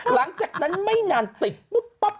หลังจากนั้นไม่นานติดปุ๊บปั๊บ